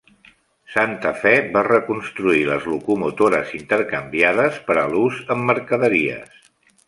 Santa Fe va reconstruir les locomotores intercanviades per a l'ús en mercaderies.